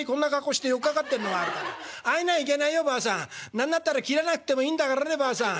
何だったら切らなくてもいいんだからねばあさん。